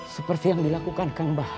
seperti yang dilakukan kang bah